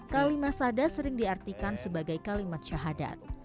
kalimat sada sering diartikan sebagai kalimat syahadat